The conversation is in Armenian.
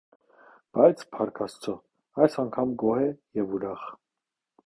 Բայց, փառք աստծո, այս անգամ գոհ է և ուրախ: